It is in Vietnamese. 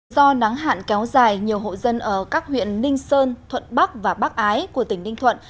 do nắng hạn kéo dài nhiều hộ dân ở các huyện ninh sơn thuận bắc và bắc ái của tỉnh ninh thuận